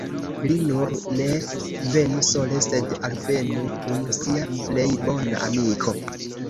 Li nur ne venu sole, sed alvenu kun sia plej bona amiko.